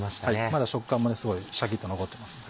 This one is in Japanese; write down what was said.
まだ食感もすごいシャキっと残ってます。